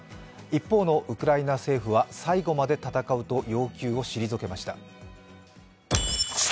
一方のウクライナ政府は最後まで戦うと要求を退けました。